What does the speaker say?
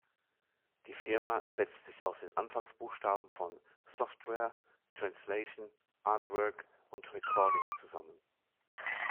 Die Firma setzt sich aus den Anfangsbuchstaben von "S"oftware, "T"ranslation, "Artwork" und "Recording" zusammen.